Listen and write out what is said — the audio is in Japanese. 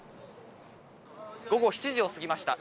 午後７時を過ぎました。